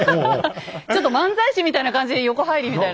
ちょっと漫才師みたいな感じで横入りみたいな。